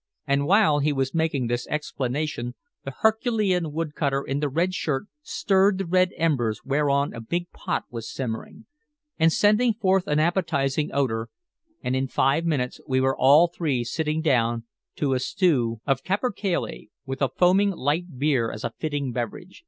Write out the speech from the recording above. And while he was making this explanation the herculean wood cutter in the red shirt stirred the red embers whereon a big pot was simmering, and sending forth an appetizing odor, and in five minutes we were all three sitting down to a stew of capercailzie, with a foaming light beer as a fitting beverage.